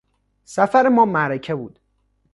سفر ما معرکه بود.